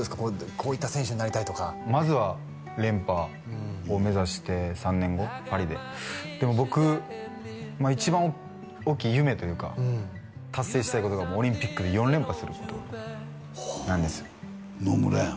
こういった選手になりたいとかまずは連覇を目指して３年後パリででも僕一番大きい夢というか達成したいことがオリンピックで４連覇することなんですよ野村やん